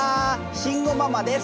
慎吾ママです！